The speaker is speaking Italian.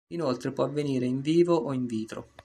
Inoltre può avvenire "in vivo" o "in vitro".